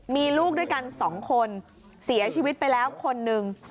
มีลูกด้วยกัน๒คนเสียชีวิตไปแล้วคนหนึ่ง